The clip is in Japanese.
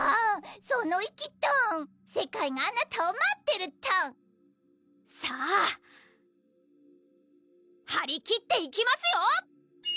その意気トン世界があなたを待ってるトンさぁはりきっていきますよ！